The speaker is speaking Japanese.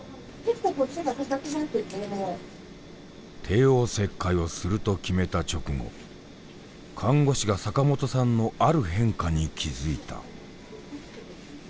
帝王切開をすると決めた直後看護師が坂本さんのある変化に気付いた。